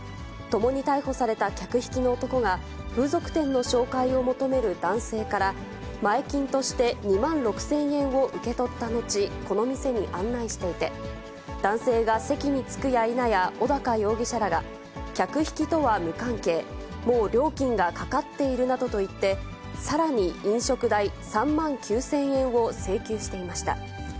ともに逮捕された客引きの男が、風俗店の紹介を求める男性から前金として２万６０００円を受け取った後、この店に案内していて、男性が席に着くやいなや、小高容疑者らが、客引きとは無関係、もう料金がかかっているなどと言って、さらに飲食代３万９０００円を請求していました。